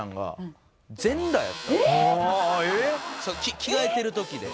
着替えてる時で。